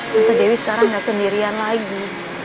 tante dewi sekarang gak sendirian lagi